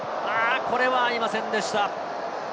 これは合いませんでした。